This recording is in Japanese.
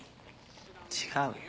違うよ。